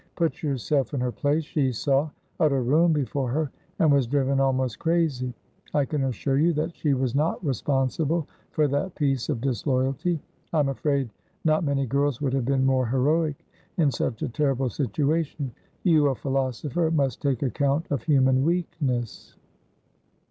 Put yourself in her place. She saw utter ruin before her, and was driven almost crazy. I can assure you that she was not responsible for that piece of disloyalty. I am afraid not many girls would have been more heroic in such a terrible situation. You, a philosopher, must take account of human weakness."